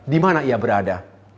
di mana ia berada